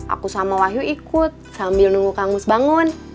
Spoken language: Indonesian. aku sama wahyu ikut sambil nunggu kang mus bangun